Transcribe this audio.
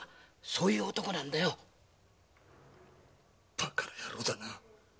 バカな野郎だな。